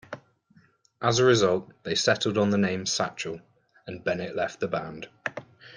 As a result, they settled on the name Satchel, and Bennett left the band.